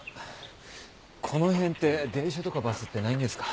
この辺って電車とかバスってないんですか？